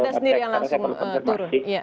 anda sendiri yang langsung turun